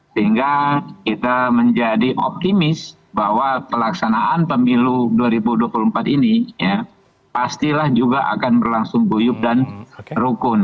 sehingga kita menjadi optimis bahwa pelaksanaan pemilu dua ribu dua puluh empat ini pastilah juga akan berlangsung guyup dan rukun